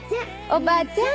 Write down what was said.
おばちゃん。